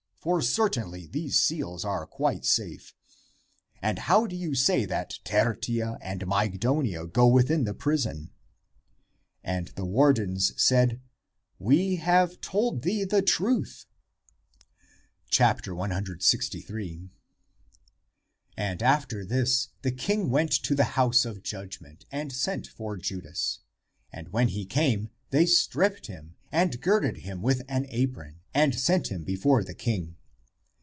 for certainly these seals are quite safe. And how do you say that Tertia and Mygdonia go within the prison?" And the wardens said, "We have told thee the truth." 163. And after this the king went to the house of judgment and sent for Judas. And when he came, they stripped him, and girded him with an apron, and set him before the king.